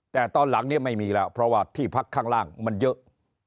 แต่ตอนหลังนี้ไม่มีแล้วเพราะว่าที่พักข้างล่างมันเยอะ